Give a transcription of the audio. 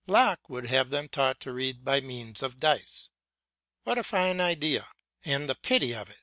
Locke would have them taught to read by means of dice. What a fine idea! And the pity of it!